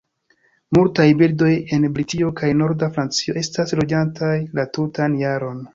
Multaj birdoj en Britio kaj norda Francio estas loĝantaj la tutan jaron.